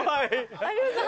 有吉さん